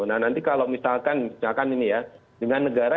nah nanti kalau misalkan misalkan ini ya dengan negara